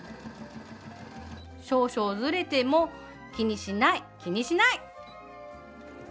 少々ずれても気にしない気にしない！